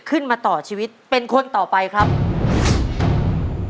คุณยายแจ้วเลือกตอบจังหวัดนครราชสีมานะครับ